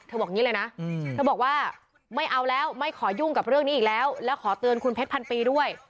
บอกอย่างนี้เลยนะเธอบอกว่าไม่เอาแล้วไม่ขอยุ่งกับเรื่องนี้อีกแล้วแล้วขอเตือนคุณเพชรพันปีด้วย